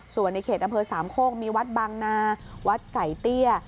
ส่วนในเขตอำเภอสามโคกมีวัดบางนาวัดไก่เตี้ย